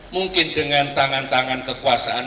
mungkin dengan tangan tangan kekuasaan